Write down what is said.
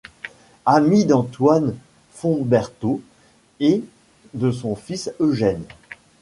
Ami d'Antoine Fombertaux et de son fils Eugène.